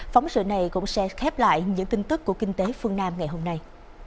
phóng sự này cũng sẽ khép lại những tin tức của kinh tế phương nam ngày hôm nay